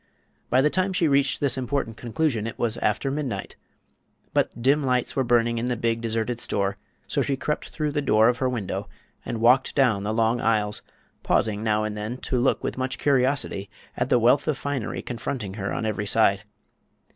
By the time she reached this important conclusion, it was after midnight; but dim lights were burning in the big, deserted store, so she crept through the door of her window and walked down the long aisles, pausing now and then to look with much curiosity at the wealth of finery confronting her on every side.